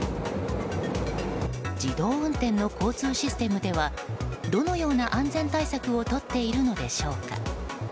自動運転の交通システムではどのような安全対策をとっているのでしょうか。